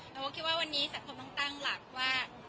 เราก็คิดว่าวันนี้สังคมต้องตั้งหลักว่า